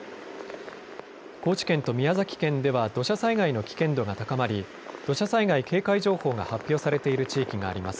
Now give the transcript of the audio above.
高知県と宮崎県では土砂災害の危険度が高まり土砂災害警戒情報が発表されている地域があります。